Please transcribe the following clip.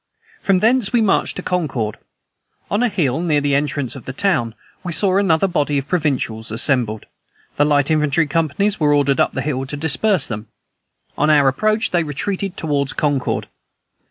From thence we marched to Concord. On a hill, near the entrance of the town, we saw another body of provincials assembled: the light infantry companies were ordered up the hill to disperse them; on our approach, they retreated toward Concord.